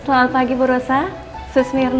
tuh ada s di dari konsumen